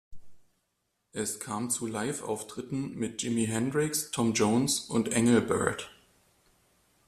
Es kam zu Live-Auftritten mit Jimi Hendrix, Tom Jones und Engelbert.